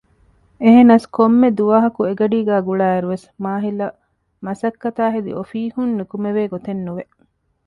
އެހެނަސް ކޮންމެ ދުވަހަކު އެގަޑީގައި ގުޅާއިރުވެސް މާޙިލަށް މަސައްކަތާއި ހެދި އޮފީހުން ނިކުމެވޭގޮތެއް ނުވެ